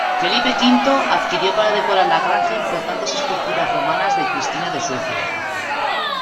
Felipe V adquirió para decorar la Granja importantes esculturas romanas de Cristina de Suecia.